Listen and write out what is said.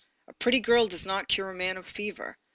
A pretty girl does not cure a man of fever.